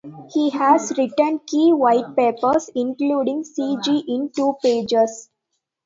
He has written key whitepapers, including "Cg in Two Pages".